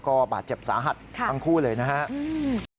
ก็บาดเจ็บสาหัสทั้งคู่เลยนะครับ